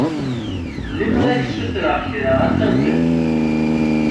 Lemmer ad k-ssutreɣ kra ad tagiḍ?